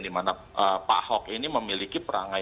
dimana pak ahok ini memiliki perangai